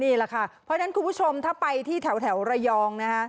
นี่แหละค่ะเพราะฉะนั้นคุณผู้ชมถ้าไปที่แถวระยองนะฮะ